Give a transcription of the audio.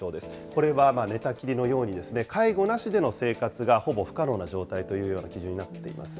これは寝たきりのように、介護なしでの生活がほぼ不可能なような状態という基準になっています。